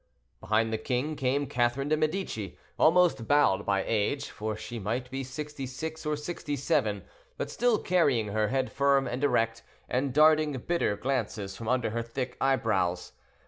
Behind the king came Catherine de Medicis, almost bowed by age, for she might be sixty six or sixty seven, but still carrying her head firm and erect, and darting bitter glances from under her thick eyebrows.